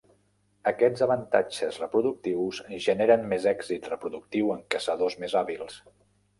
Aquests avantatges reproductius generen més èxit reproductiu en caçadors més hàbils.